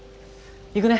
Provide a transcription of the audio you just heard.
行くね。